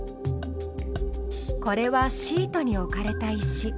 これはシートに置かれた石。